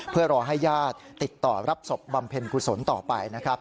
เพื่อรอให้ญาติติดต่อรับศพบำเพ็ญกุศลต่อไปนะครับ